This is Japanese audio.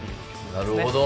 なるほど。